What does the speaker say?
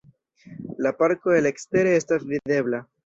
La parko el ekstere estas videbla.